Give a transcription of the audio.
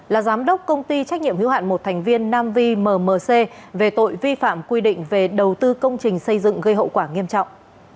là giám đốc công ty trách nhiệm hiếu hạn một thành viên nam vi mmc về tội vi phạm quy định về đầu tư công trình xây dựng gây hậu quả nghiêm trọng